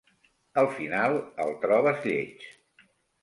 Al final el trobes lleig.